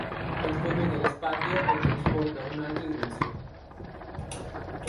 El copet a l'espatlla el transporta a una altra dimensió.